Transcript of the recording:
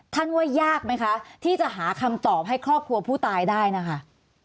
ว่ายากไหมคะที่จะหาคำตอบให้ครอบครัวผู้ตายได้นะคะ